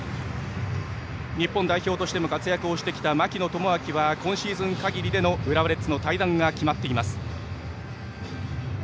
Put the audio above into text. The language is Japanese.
日本代表としても活躍してきた槙野は今シーズン限りでの浦和レッズの退団が決まっています。